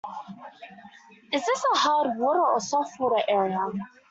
Is this a hard water or a soft water area?